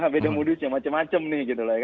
beda modusnya macam macam nih